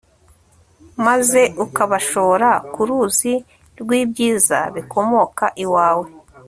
maze ukabashora ku ruzi rw'ibyiza bikomoka iwawe